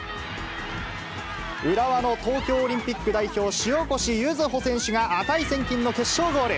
浦和の東京オリンピック代表、塩越柚歩選手が値千金の決勝ゴール。